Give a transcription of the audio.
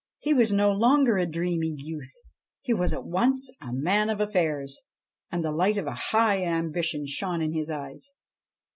He was no longer a dreamy youth : he was at once a man of affairs, and the light of a high ambition shone in his eyes.